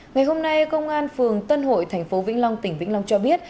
ngày hôm nay công an phường tân hội thành phố vĩnh long tỉnh vĩnh long cho biết